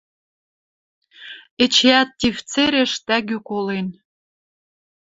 Эчеӓт тиф цереш тӓгӱ колен...